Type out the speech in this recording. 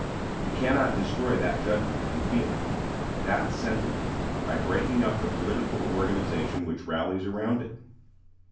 You cannot destroy that judgment and feeling that sentiment by breaking up the political organization which rallies around it.